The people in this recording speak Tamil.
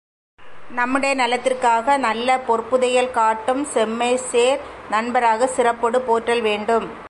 நம்முடை நலத்திற் காக நல்லபொற் புதையல் காட்டும் செம்மைசேர் நண்ப ராகச் சிறப்பொடு போற்றல் வேண்டும்.